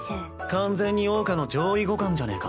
完全に桜花の上位互換じゃねぇか。